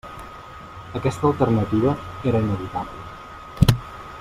Aquesta alternativa era inevitable.